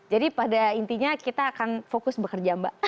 jadi pada intinya kita akan fokus bekerja mbak